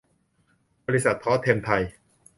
บริษัท ทอส เท็มไทย